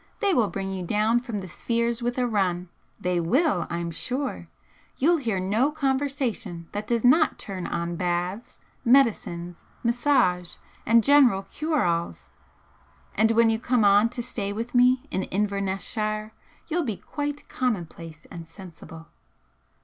They will bring you down from the spheres with a run! They will, I'm sure! You'll hear no conversation that does not turn on baths, medicines, massage, and general cure alls! And when you come on to stay with me in Inverness shire you'll be quite commonplace and sensible!"